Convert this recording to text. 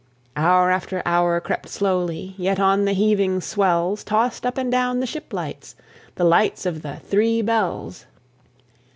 Hour after hour crept slowly, Yet on the heaving swells Tossed up and down the ship lights, The lights of the Three Bells!